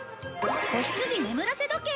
子羊眠らせ時計。